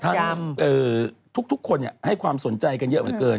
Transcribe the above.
ทั้งทุกคนให้ความสนใจกันเยอะมากเกิน